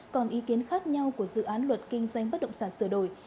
còn ý kiến khác nhau của dự án luật kinh doanh bất động sản sửa đổi